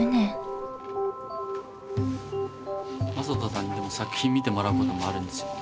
まさとさんに作品見てもらうこともあるんですよね？